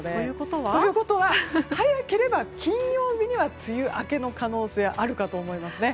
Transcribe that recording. ということは早ければ金曜日には梅雨明けの可能性あるかと思います。